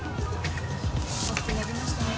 暑くなりましたねえ。